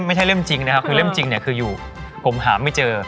มันไม่ใช่เรื่องจริงนะคะคือเรื่องจริงเนี่ยคืออยู่กลมหาไม่เจอ